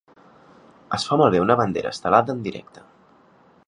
Es fa malbé una bandera estelada en directe